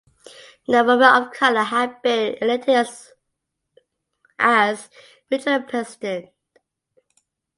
No women of color have been elected as regional president.